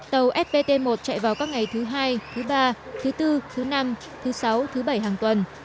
tàu spt một chạy vào các ngày thứ hai thứ ba thứ bốn thứ năm thứ sáu thứ bảy hàng tuần